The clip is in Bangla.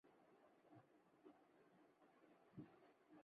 চলচ্চিত্রের সঙ্গীত পরিচালনা করেছেন আনন্দ-মিলিন্দ এবং গানের কথা লিখেছেন সমীর।